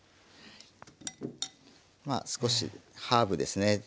まあ少しハーブですね